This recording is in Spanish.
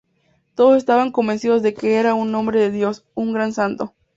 Todos estaban convencidos de que era un hombre de Dios, un gran santo.